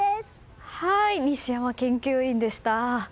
西山研究員でした。